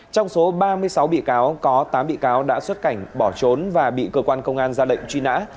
trong số ba mươi sáu bị cáo có tám bị cáo đã xuất cảnh bỏ trốn và bị cơ quan công an ra lệnh truy nã